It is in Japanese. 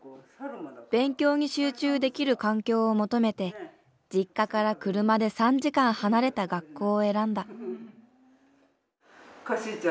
勉強に集中できる環境を求めて実家から車で３時間離れた学校を選んだ。